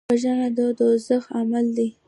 وژنه د دوزخ عمل دی